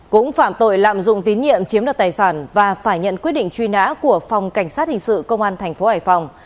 cũng phạm tội lạm dụng tín nhiệm chiếm đoạt tài sản và phải nhận quyết định truy nã của phòng cảnh sát hình sự công an tp hải phòng